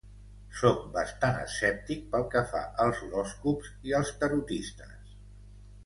Soc bastant escèptic pel que fa als horòscops i als tarotistes.